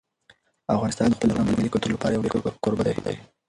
افغانستان د خپل لرغوني او ملي کلتور لپاره یو ډېر ښه کوربه دی.